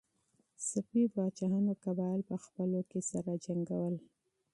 صفوي پاچاهانو قبایل په خپلو کې سره جنګول.